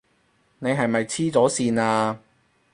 你係咪痴咗線啊？